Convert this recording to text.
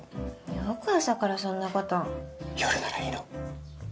よく朝からそんなこと夜ならいいの？